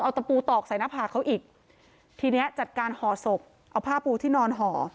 ตะปูตอกใส่หน้าผากเขาอีกทีเนี้ยจัดการห่อศพเอาผ้าปูที่นอนห่อ